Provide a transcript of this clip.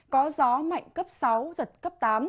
có gió mạnh cấp sáu giật cấp tám